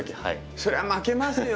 それは負けますよ